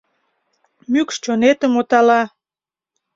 Мӱкш чонетым отала.